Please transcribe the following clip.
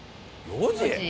４時？